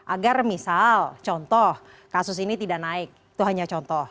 agar misal contoh kasus ini tidak naik itu hanya contoh